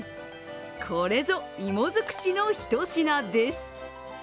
これぞ芋尽くしの一品です。